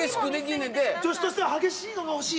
助手としては激しいのが欲しい。